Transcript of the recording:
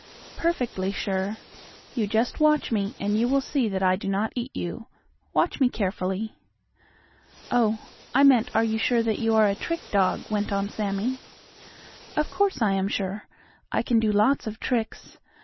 "Perfectly sure. You just watch me, and you will see that I do not eat you. Watch me carefully." "Oh, I meant are you sure that you are a trick dog," went on Sammie. "Of course, I am sure. I can do lots of tricks.